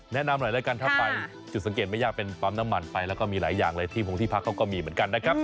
แนะนำหน่อยแล้วกันถ้าไปจุดสังเกตไม่ยากเป็นปั๊มน้ำมันไปแล้วก็มีหลายอย่างเลยที่พงที่พักเขาก็มีเหมือนกันนะครับ